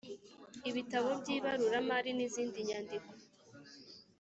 ibitabo by ibaruramari n izindi nyandiko